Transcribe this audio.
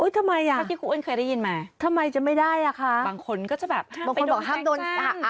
ทำไมอ่ะทำไมจะไม่ได้อ่ะคะบางคนก็จะแบบห้ามไปโดนแสงจัน